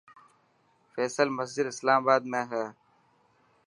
فيصل مسجد اسلام آباد ۾ هي.